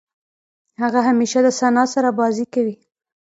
هغه همېشه د ثنا سره بازۍ کوي.